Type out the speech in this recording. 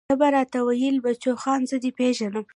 ته به راته ويلې بچوخانه زه دې پېژنم.